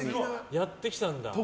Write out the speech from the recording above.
やってきたんだ。